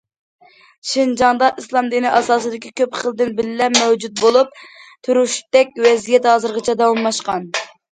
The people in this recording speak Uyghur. شىنجاڭدا ئىسلام دىنى ئاساسىدىكى كۆپ خىل دىن بىللە مەۋجۇت بولۇپ تۇرۇشتەك ۋەزىيەت ھازىرغىچە داۋاملاشقان.